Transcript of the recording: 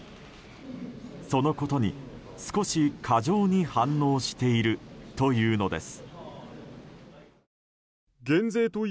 そのことに少し過剰に反応しているというのです。